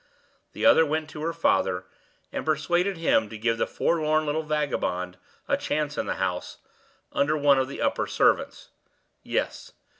The other went to her father, and persuaded him to give the forlorn little vagabond a chance in the house, under one of the upper servants. Yes!